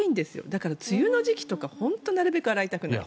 だから梅雨の時期とか本当になるべく洗いたくない。